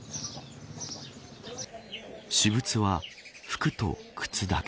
私物は服と靴だけ。